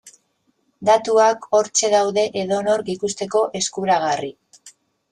Datuak hortxe daude edonork ikusteko eskuragarri.